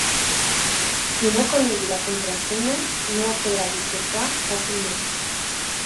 Qui no conegui la contrasenya no ho podrà desxifrar fàcilment.